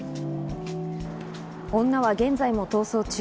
女は現在も逃走中。